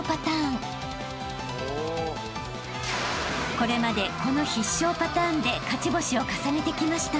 ［これまでこの必勝パターンで勝ち星を重ねてきました］